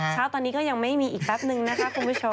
เช้าตอนนี้ก็ยังไม่มีอีกแป๊บนึงนะคะคุณผู้ชม